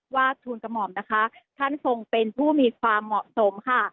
ทูลกระหม่อมนะคะท่านทรงเป็นผู้มีความเหมาะสมค่ะ